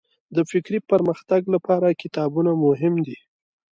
د فکري پرمختګ لپاره کتابونه مهم دي.